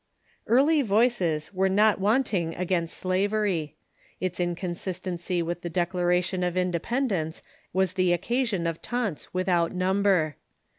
Early voices were not wanting against slavery. Its incon sistency with the Declaration of Independence was the occa sion of taunts without number.